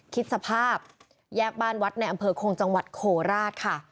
คิดสภาพแยกบ้านวัดในอำเภอคงจังหวัดโคราชค่ะ